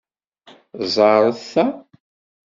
Ẓer ta.